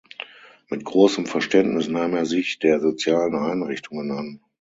Mit großem Verständnis nahm er sich der sozialen Einrichtungen an.